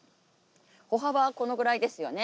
歩幅はこのぐらいですよね。